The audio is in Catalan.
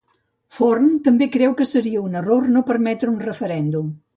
Forn també creu que seria un error no permetre un referèndum.